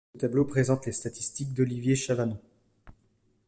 Ce tableau présente les statistiques d'Olivier Chavanon.